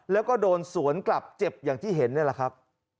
แล้วก็โดนสวนกลับเจ็บอย่างที่เห็นนี่แหละครับ